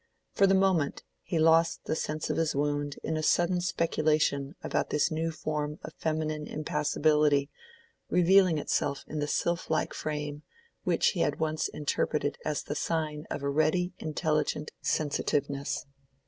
For the moment he lost the sense of his wound in a sudden speculation about this new form of feminine impassibility revealing itself in the sylph like frame which he had once interpreted as the sign of a ready intelligent sensitiveness.